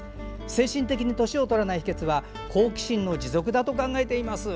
精神的に年をとらない秘けつは好奇心の持続だと考えています。